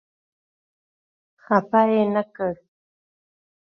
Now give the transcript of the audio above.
خپه یې نه کړ.